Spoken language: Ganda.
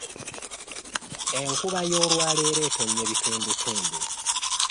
Enkuba y'olwaleero etonnye bitundutundu.